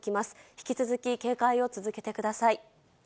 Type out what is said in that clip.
引き続き警戒を続けてください。